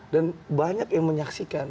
dan banyak yang menyaksikan